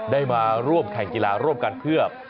ได้มาร่วมแข่งกีฬาร่วมกันเพื่อ